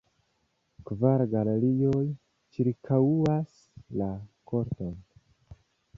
Kvar galerioj ĉirkaŭas la korton.